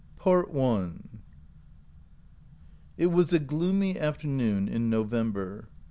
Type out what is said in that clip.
14 PART I IT was a gloomy afternoon in November.